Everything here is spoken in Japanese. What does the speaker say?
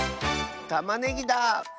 たまねぎだ！